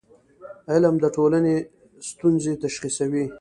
علم د ټولنې ستونزې تشخیصوي.